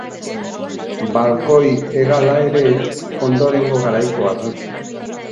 Balkoi hegala ere ondorengo garaikoa da.